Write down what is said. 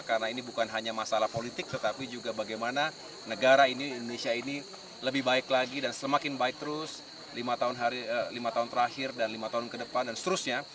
karena ini bukan hanya masalah politik tetapi juga bagaimana negara ini indonesia ini lebih baik lagi dan semakin baik terus lima tahun terakhir dan lima tahun ke depan dan seterusnya